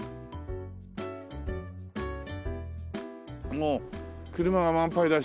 もう車は満杯だし。